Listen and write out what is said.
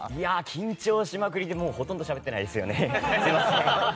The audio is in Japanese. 緊張しまくりでほとんどしゃべってないですよね。